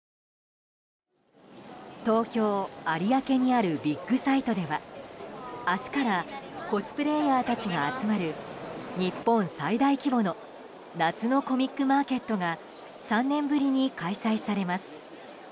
東京・有明にあるビッグサイトでは明日からコスプレイヤーたちが集まる日本最大規模の夏のコミックマーケットが３年ぶりに開催されます。